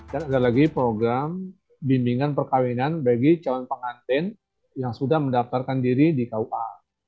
dan ada lagi program bimbingan perkawinan bagi calon pengantin yang sudah mendaftarkan diri di kua